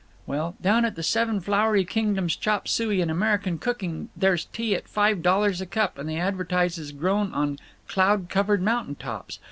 "Well, down at the Seven Flowery Kingdoms Chop Suey and American Cooking there's tea at five dollars a cup that they advertise is grown on 'cloud covered mountain tops.